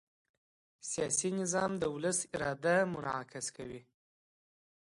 سیاسي نظام د ولس اراده منعکسوي